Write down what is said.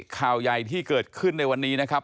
ข่าวใหญ่ที่เกิดขึ้นในวันนี้นะครับ